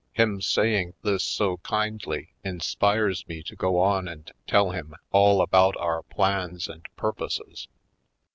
Him saying this so kindly in spires me to go on and tell him all about our plans and purposes.